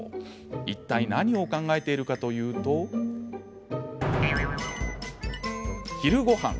いったい何を考えているかというと昼ごはん。